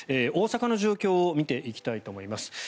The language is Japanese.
大阪の状況を見ていきたいと思います。